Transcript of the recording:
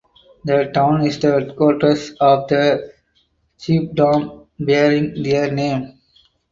The town is the headquarters of the chiefdom bearing their name.